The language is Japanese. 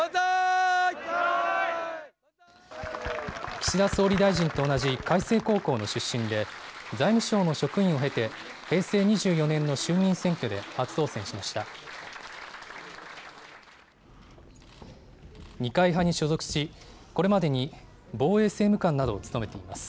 岸田総理大臣と同じ開成高校の出身で、財務省の職員を経て、平成２４年の衆議院選挙で初当選しました。